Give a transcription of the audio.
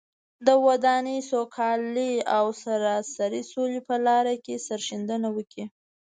د ودانۍ، سوکالۍ او سراسري سولې په لاره کې سرښندنه وکړي.